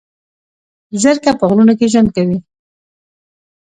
زرکه په غرونو کې ژوند کوي